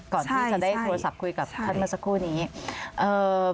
ก่อนที่จะได้โทรศัพท์คุยกับท่านเมื่อสักครู่นี้เอ่อ